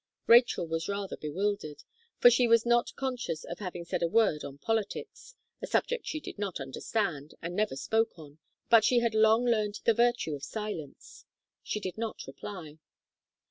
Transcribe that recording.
Rachel was rather bewildered, for she was not conscious of having said a word on politics, a subject she did not understand, and never spoke on; but she had long learned the virtue of silence. She did not reply.